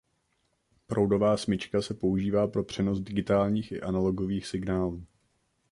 Proudová smyčka se používá pro přenos digitálních i analogových signálů.